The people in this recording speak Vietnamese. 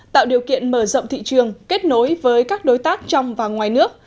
tạo điều kiện mở rộng thị trường kết nối với các đối tác trong và ngoài nước